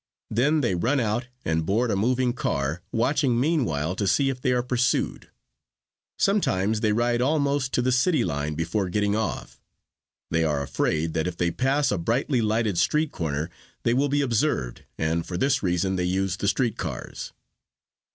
Then they run out and board a moving car, watching meanwhile to see if they are pursued. Sometimes they ride almost to the city line before getting off. They are afraid that if they pass a brightly lighted street corner they will be observed and for this reason they use the street cars.